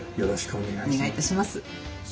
お願いいたします。